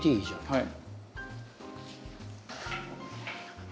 はい。